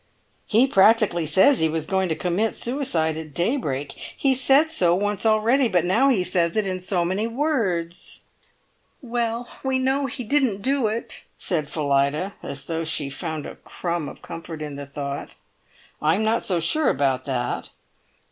"He practically says he was going to commit suicide at daybreak! He's said so once already, but now he says it in so many words!" "Well, we know he didn't do it," said Phillida, as though she found a crumb of comfort in the thought. "I'm not so sure about that."